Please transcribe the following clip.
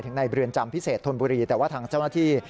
ในเรือนจำพิเศษธนบุรีแต่ว่าทางเจ้าหน้าที่